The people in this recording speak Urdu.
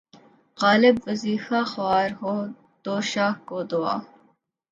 غالبؔ! وظیفہ خوار ہو‘ دو شاہ کو دعا